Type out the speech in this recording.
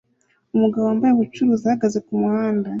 Umugabo wambaye ubucuruzi ahagaze kumuhanda